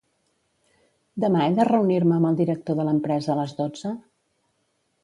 Demà he de reunir-me amb el director de l'empresa a les dotze?